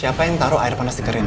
siapa yang taruh air panas ke reina